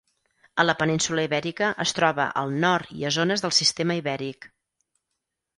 A la península Ibèrica es troba al nord i a zones del sistema Ibèric.